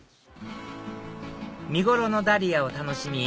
見頃のダリアを楽しみ